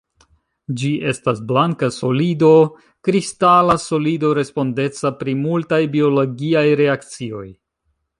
Ĝi estas blanka solido kristala solido respondeca pri multaj biologiaj reakcioj.